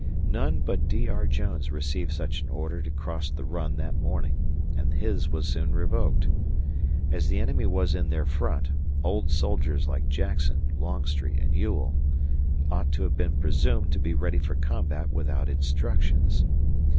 None but D. R. Jones received such an order to cross the Run that morning, and his was soon revoked. As the enemy was in their front, old soldiers like Jackson, Longstreet, and Ewell, ought to have been presumed to be ready for combat without instructions.